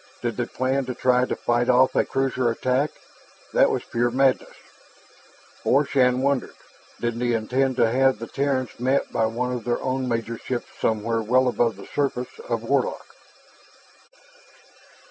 Did they plan to try to fight off a cruiser attack? That was pure madness. Or, Shann wondered, did they intend to have the Terrans met by one of their own major ships somewhere well above the surface of Warlock?